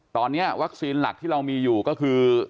ตอนนี้วัคซีนหลักที่เรามีอยู่ก็คือ